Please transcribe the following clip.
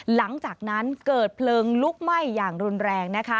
หลังจากนั้นเกิดเพลิงลุกไหม้อย่างรุนแรงนะคะ